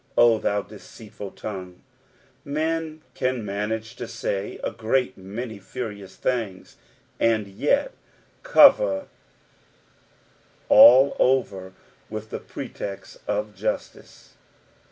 "0 thou deeei^ul Umgtis.^' Men can manage to say a g^t many furious things, and yet cover Hii over with the pretext of justice.